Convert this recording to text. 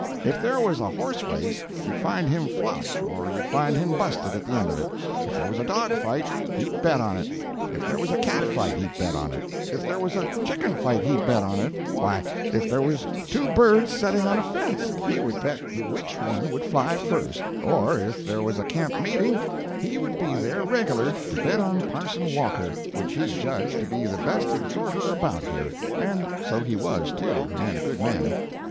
If there was a horse race, you'd find him flush or you'd find him busted at the end of it; if there was a dog fight, he'd bet on it; if there was a cat fight, he'd bet on it; if there was a chicken fight, he'd bet on it; why, if there was two birds setting on a fence, he would bet you which one would fly first; or if there was a camp meeting, he would be there reg'lar to bet on Parson Walker, which he judged to be the best exhorter about here, and so he was too, and a good man.